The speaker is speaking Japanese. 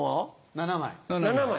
７枚。